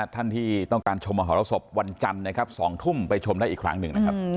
ท่านที่ต้องการชมมหรสบวันจันทร์นะครับ๒ทุ่มไปชมได้อีกครั้งหนึ่งนะครับ